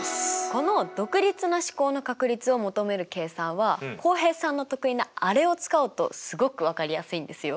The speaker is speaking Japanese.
この独立な試行の確率を求める計算は浩平さんの得意なあれを使うとすごく分かりやすいんですよ。